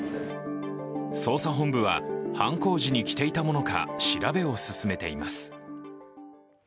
捜査本部は犯行時に着ていたものか調べを進めています。